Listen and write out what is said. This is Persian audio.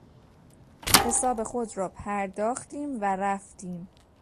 حساب خود را پرداختیم و رفتیم.